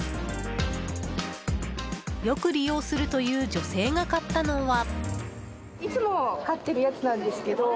よく利用するという女性が買ったのは。